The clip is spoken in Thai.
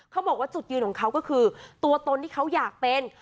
เขาบอกว่าจุดยืนของเขาก็คือตัวตนที่เขาอยากเป็น